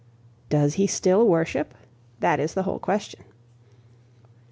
Does he still worship? That is the whole question.